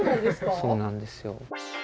そうなんですよ。